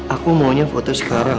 aku maunya foto sekarang